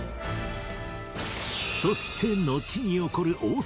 そしてのちに起こる大坂